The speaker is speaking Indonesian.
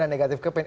dan negatif campaign